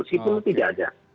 meskipun tidak ada